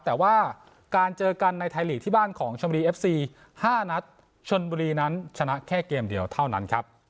แต่ว่าการเจอกันในไทยลีกที่บ้านของชมบุรีเอฟซี๕นัดชนบุรีนั้นชนะแค่เกมเดียวเท่านั้นครับ